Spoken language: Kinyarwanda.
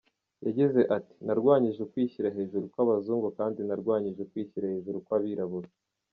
Yagize ati” Narwanyije ukwishyira hejuru kw’abazungu kandi narwanyije ukwishyira hejuru kw’abirabura.